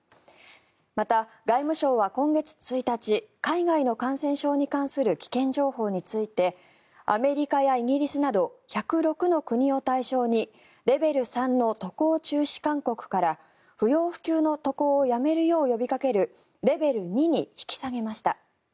また、外務省は今月１日海外の感染症に関する危険情報についてアメリカやイギリスなど１０６の国を対象にレベル３の渡航中止勧告から不要不急の渡航をやめるよう呼びかけるレベル２に引き下げました。